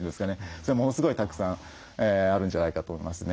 それはものすごいたくさんあるんじゃないかと思いますね。